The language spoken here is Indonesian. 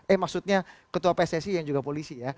eh maksudnya ketua pssi yang juga polisi ya